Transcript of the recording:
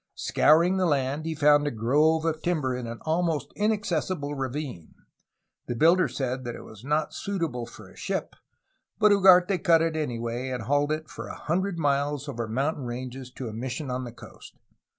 Scouring the land he found a grove of timber in an almost inaccessible ravine. The builder said that it was not suitable for a ship, but Ugarte cut it anyway, and hauled it for a hundred miles over mountain ranges to a mission on the coast.